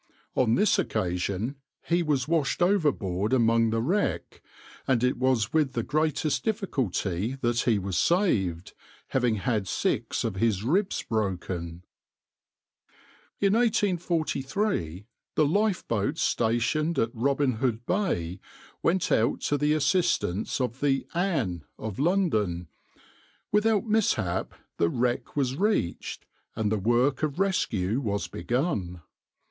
On this occasion he was washed overboard among the wreck, and it was with the greatest difficulty that he was saved, having had six of his ribs broken.\par In 1843 the lifeboat stationed at Robin Hood Bay went out to the assistance of the {\itshape{Ann}} of London. Without mishap the wreck was reached, and the work of rescue was begun.